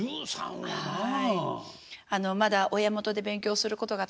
はい。